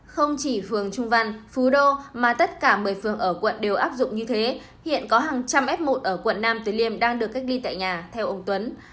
không chỉ phường trung văn phú đô mà tất cả một mươi phường ở quận đều áp dụng như thế hiện có hàng trăm f một ở quận nam từ liêm đang được cách ly tại nhà theo ông tuấn